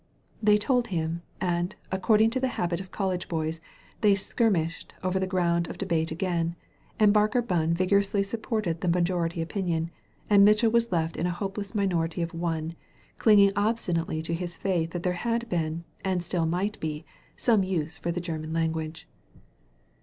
So they told him, and, according to the habit of college boys, they skirmished over the ground of debate again, and Barker Bunn vigorously sup ported the majority opinion, and Mitchell was left in a hopeless minority of one, clinging obstinately to his faith that there had been, and still might be, some use for the German language.